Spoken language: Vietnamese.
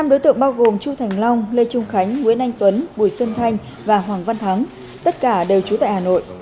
năm đối tượng bao gồm chu thành long lê trung khánh nguyễn anh tuấn bùi xuân thanh và hoàng văn thắng tất cả đều trú tại hà nội